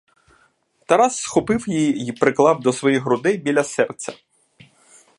Тарас схопив її й приклав до своїх грудей біля серця.